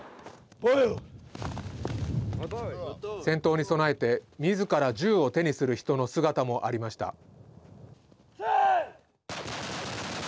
戦闘に備えて、みずから銃を手にする人の姿もありました。